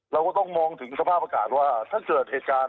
เราก็ต้องมองถึงสภาพอากาศว่าถ้าเกิดเหตุการณ์